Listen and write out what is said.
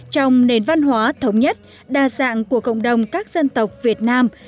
trong nền văn hóa thống nhất đa dạng của cộng đồng các dân tộc việt nam